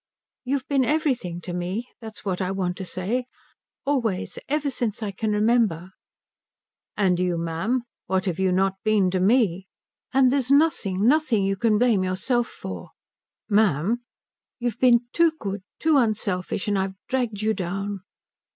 "You've been everything to me that's what I want to say. Always, ever since I can remember." "And you, ma'am? What have you not been to me?" "And there's nothing, nothing you can blame yourself for." "Ma'am " "You've been too good, too unselfish, and I've dragged you down."